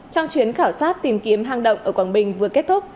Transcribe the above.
trong chuyến khảo sát tìm kiếm hang động ở quảng bình vừa kết thúc